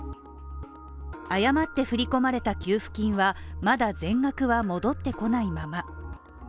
誤って振り込まれた給付金はまだ全額は戻ってこないまま。